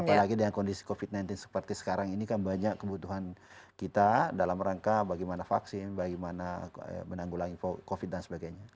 apalagi dengan kondisi covid sembilan belas seperti sekarang ini kan banyak kebutuhan kita dalam rangka bagaimana vaksin bagaimana menanggulangi covid dan sebagainya